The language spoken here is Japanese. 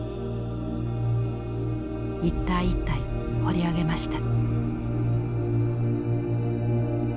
一体一体彫り上げました。